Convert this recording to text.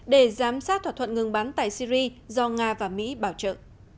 về thỏa thuận ngừng bắn tại syri do nga và mỹ bảo trợ